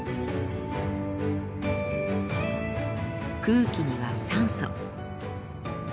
空気には酸素。